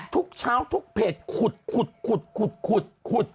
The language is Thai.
ทุกเช้าทุกเพจขุดขุด